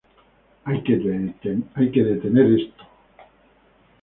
Hay que detener esto".